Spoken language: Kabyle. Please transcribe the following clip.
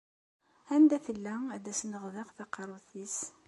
Anda tella ad as-neɣdeɣ taqerrut-is?”